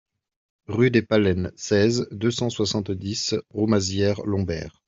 Rue des Paleines, seize, deux cent soixante-dix Roumazières-Loubert